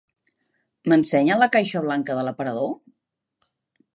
M'ensenya la caixa blanca de l'aparador?